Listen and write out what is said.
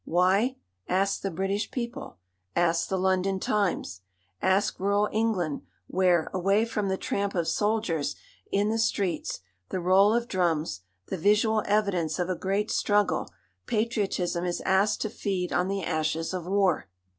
Why? Ask the British people. Ask the London Times. Ask rural England where, away from the tramp of soldiers in the streets, the roll of drums, the visual evidence of a great struggle, patriotism is asked to feed on the ashes of war.